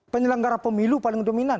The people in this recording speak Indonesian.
penyelenggara pemilu paling dominan